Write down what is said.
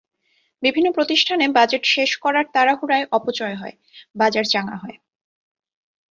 বিভিন্ন প্রতিষ্ঠানে বাজেট শেষ করার তাড়াহুড়ায় অপচয় হয়, বাজার চাঙা হয়।